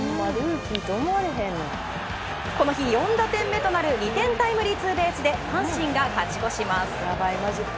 この日４打点目となる２点タイムリーツーベースで阪神が勝ち越します。